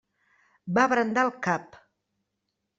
Va brandar el cap.